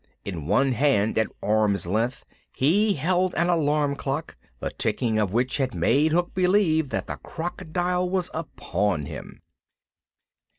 In one hand, at arm's length, he held an alarum clock, the ticking of which had made Hook believe that the crocodile was upon him.